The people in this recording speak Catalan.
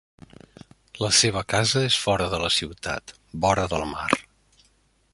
La seva casa és fora de la ciutat, vora del mar.